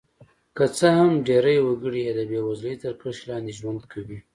که څه هم ډېری وګړي یې د بېوزلۍ تر کرښې لاندې ژوند کوي.